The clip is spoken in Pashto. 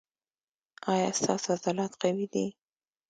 ایا ستاسو عضلات قوي دي؟